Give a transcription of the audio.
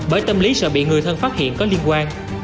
bởi tâm lý sợ bị người thân phát hiện có liên quan